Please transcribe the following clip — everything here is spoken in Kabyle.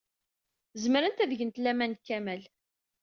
Zemrent ad gent laman deg Kamal.